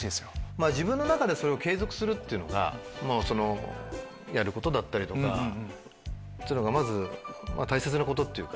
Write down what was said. まぁ自分の中でそれを継続するっていうのがそのやることだったりとかっていうのがまず大切なことっていうか。